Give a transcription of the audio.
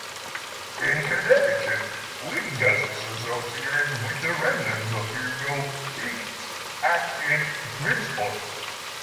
In Connecticut, wind gusts associated with the remnants of Hugo peaked at in Bridgeport.